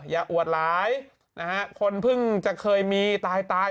อวดหลายนะฮะคนเพิ่งจะเคยมีตายตาย